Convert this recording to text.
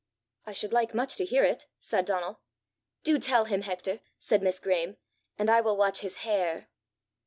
"I should like much to hear it!" said Donal. "Do tell him, Hector," said Miss Graeme, "and I will watch his hair."